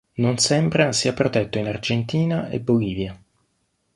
Non sembra sia protetto in Argentina e Bolivia.